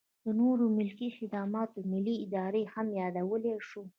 د نورو ملکي خدماتو ملي ادارې هم یادولی شو.